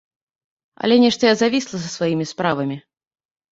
Але нешта я завісла са сваімі справамі.